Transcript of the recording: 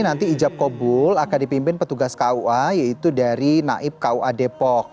nanti ijab kobul akan dipimpin petugas kua yaitu dari naib kua depok